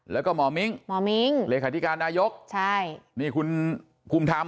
แล้วก็หม่อมิงเหลศธิการนายกคุณภูมิธรรม